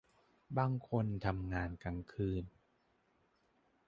บางคนทำงานกลางคืน